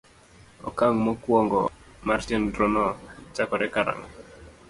Okang' mokwongo mar chenrono chakore karang'o?